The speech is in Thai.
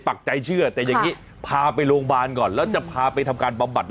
ปักใจเชื่อแต่อย่างนี้พาไปโรงพยาบาลก่อนแล้วจะพาไปทำการบำบัด